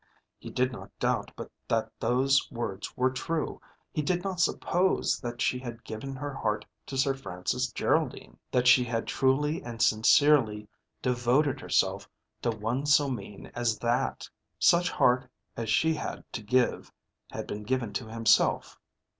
He did not doubt but that those words were true. He did not suppose that she had given her heart to Sir Francis Geraldine, that she had truly and sincerely devoted herself to one so mean as that! Such heart as she had to give had been given to himself.